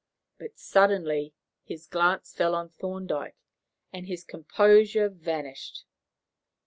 But suddenly his glance fell on Thorndyke, and his composure vanished.